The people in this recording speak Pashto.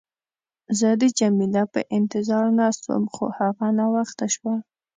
زه د جميله په انتظار ناست وم، خو هغه ناوخته شوه.